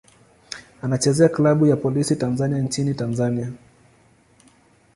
Anachezea klabu ya Polisi Tanzania nchini Tanzania.